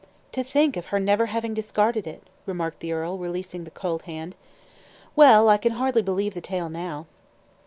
"To think of her never having discarded it!" remarked the earl, releasing the cold hand. "Well, I can hardly believe the tale now."